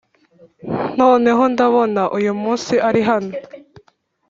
noneho ndabona uyumunsi ari hano,